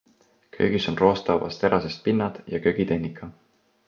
Köögis on roostevabast terasest pinnad ja köögitehnika.